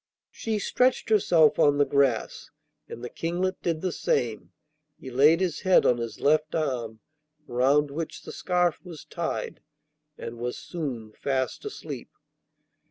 She stretched herself on the grass, and the Kinglet did the same. He laid his head on his left arm, round which the scarf was tied, and was soon fast asleep.